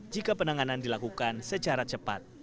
jika penanganan dilakukan secara cepat